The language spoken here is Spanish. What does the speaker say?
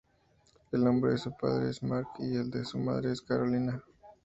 El nombre de su padre es Mark y el de su madre es Carolina.